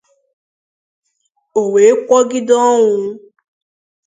o wee kwògide ọnwụ